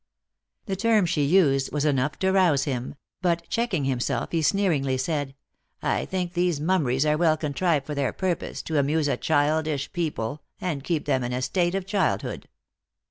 The term she used was enough to rouse him ; but, checking himself, he sneeringly said, " I think these mummeries are well contrived for their purpose, to amuse a childish people, and keep them in a state of childhood."